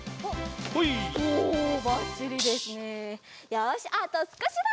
よしあとすこしだ！